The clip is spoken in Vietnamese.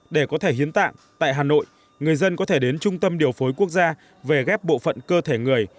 để có thể hiến tạng tại hà nội người dân có thể đến trung tâm điều phối quốc gia về ghép bộ phận cơ thể người